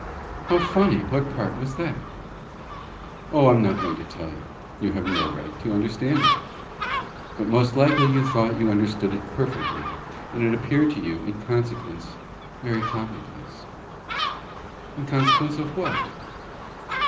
"How funny! What part of it was that?" "O! I'm not going to tell you. You have no right to understand it. But most likely you thought you understood it perfectly, and it appeared to you, in consequence, very commonplace." "In consequence of what?"